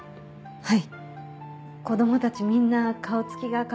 はい。